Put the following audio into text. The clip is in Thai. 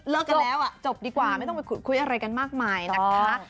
แล้วก็เลยจบดีกว่าไม่ต้องคุยอะไรกันมากมายนะคะ